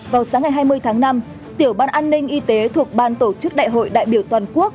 vào sáng ngày hai mươi tháng năm tiểu ban an ninh y tế thuộc ban tổ chức đại hội đại biểu toàn quốc